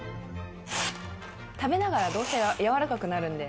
食べながらどうせ、やわらかくなるんで。